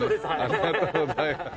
ありがとうございます。